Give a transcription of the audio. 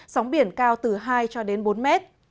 sóng biển cao từ hai cho đến bốn m